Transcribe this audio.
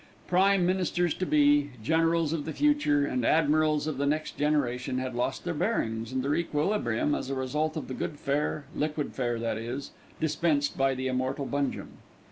Prime ministers to be, generals of the future, and admirals of the next generation had lost their bearings and their equilibrium as a result of the good fare, liquid fare, that is, dispensed by the immortal Bungem.